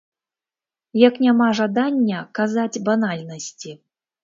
Як няма жадання казаць банальнасці.